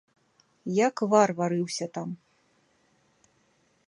Як вар варыўся там.